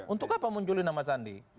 untuk apa munculin nama sandi